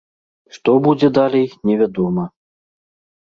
Што будзе далей, невядома.